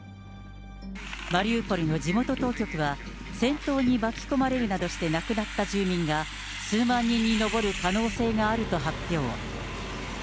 マリウポリの地元当局は、戦闘に巻き込まれるなどして亡くなった住民が、数万人に上る可能性があると発表。